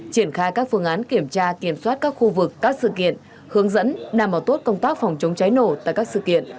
triển khai các phương án kiểm tra kiểm soát các khu vực các sự kiện hướng dẫn đảm bảo tốt công tác phòng chống cháy nổ tại các sự kiện